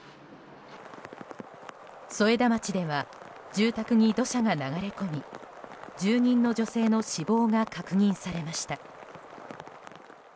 添田町では住宅に土砂が流れ込み住民の女性の死亡が確認されました。